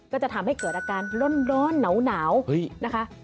ก็จะทำให้เกิดอาการร้อนหนาวนะคะ